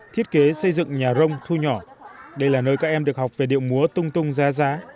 thiết kế xây dựng nhà rông thu nhỏ đây là nơi các em được học về điệu múa tung tung giá giá